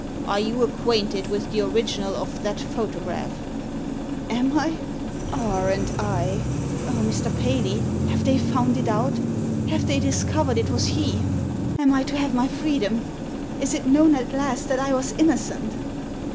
Are you acquainted with the original of that photograph ?" *Am I? Aren't I? Oh, Mr. Paley, have they found it out — have they discovered it was he? Am I to have my freedom? Is it known at last that I was innocent?"